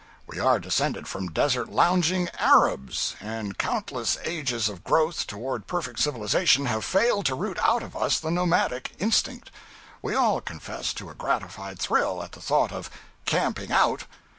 We are descended from desert lounging Arabs, and countless ages of growth toward perfect civilization have failed to root out of us the nomadic instinct. We all confess to a gratified thrill at the thought of "camping out."